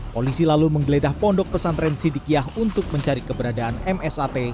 polisi lalu menggeledah pondok pesantren sidikiah untuk mencari keberadaan msat